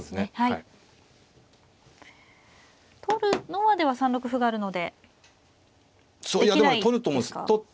取るのはでは３六歩があるのでできないですか。